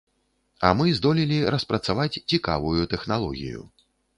А мы здолелі распрацаваць цікавую тэхналогію.